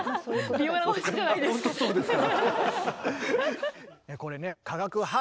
ビオラ推しじゃないですか。